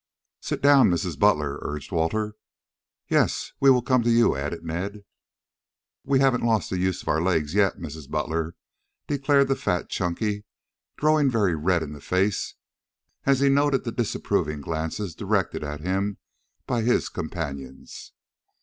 "Sit down, Mrs. Butler," urged Walter. "Yes, we will come to you," added Ned. "We haven't lost the use of our legs yet, Mrs. Butler," declared the fat Chunky, growing very red in the face as he noted the disapproving glances directed at him by his companions.